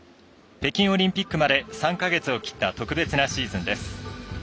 北京オリンピックまで３か月を切った特別なシーズンです。